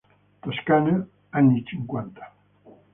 Toscana, anni cinquanta.